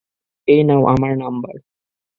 এই নে, আমার নাম্বার।